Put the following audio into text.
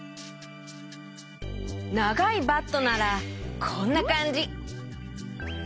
ながいバットならこんなかんじ。